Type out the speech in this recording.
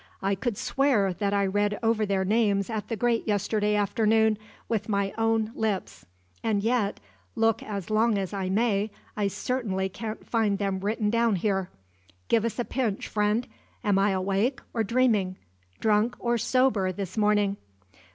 "I could swear that I read over their names at the grate yesterday afternoon with my own lips; and yet, look as long as I may, I certainly can't find them written down here. Give us a pinch, friend. Am I awake, or dreaming? drunk or sober this morning?"